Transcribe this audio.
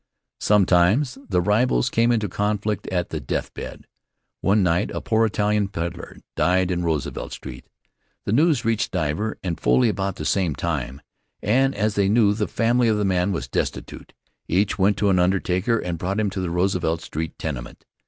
Sometimes the rivals came into conflict at the death bed. One night a poor Italian peddler died in Roosevelt Street. The news reached Divver and Foley about the same time, and as they knew the family of the man was destitute, each went to an undertaker and brought him to the Roosevelt Street tenement.